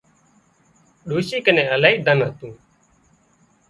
ڏوشي ڪنين الاهي ڌن هتون